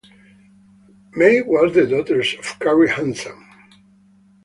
May was the daughter of Carrie Hansen.